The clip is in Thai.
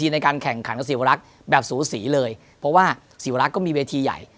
ในการแข่งขันกับศิวรักษ์แบบสูสีเลยเพราะว่าศรีวรักษ์ก็มีเวทีใหญ่